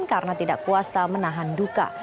karena tidak kuasa menahan duka